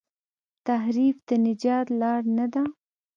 تحریف د نجات لار نه ده.